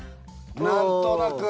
なんとなく。